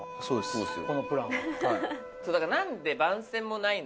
そうですよ。